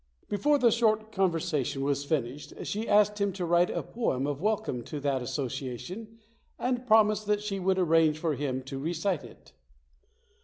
Before the short conversation was finished, she asked him to write a poem of welcome to that association and promised that she would arrange for him to re cite it.